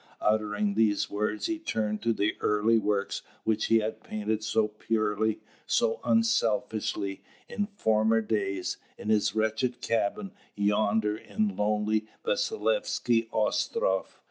Uttering these words, he turned to the early works which he had painted so purely, so unselfishly, in former days, in his wretched cabin yonder in lonely Vasilievsky Ostroff.